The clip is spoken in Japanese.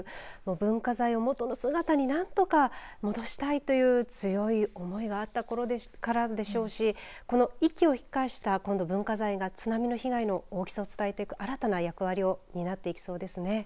文化財を元の姿に何とか戻したいという強い思いがあったからでしょうし息を吹き返した文化財が津波の被害の大きさを伝えていく新たな役割を担ってきそうですね。